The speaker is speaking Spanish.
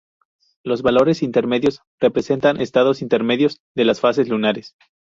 Los valores intermedios representan estados intermedios de las fases lunares.